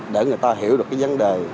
để người ta hiểu được cái vấn đề